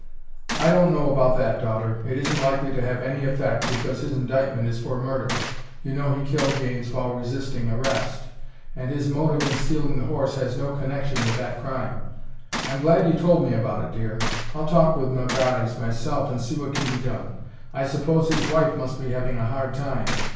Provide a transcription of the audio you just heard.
"I don't know about that, daughter. It isn't likely to have any effect, because his indictment is for murder you know he killed Gaines while resisting arrest and his motive in stealing the horse has no connection with that crime. I'm glad you told me about it, dear. I'll talk with Melgares myself, and see what can be done. I suppose his wife must be having a hard time.